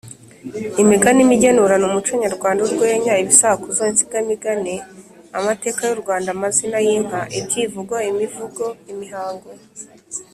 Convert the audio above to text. imigani, imigenurano, umuco nyarwanda, urwenya, ibisakuzo, insigamigani, amateka y’u Rwanda, amazina y’inka, ibyivugo, imivugo, imihango